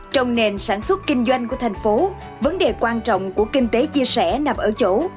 trong nền sản xuất kinh doanh của thành phố vấn đề quan trọng của kinh tế chia sẻ nằm ở chỗ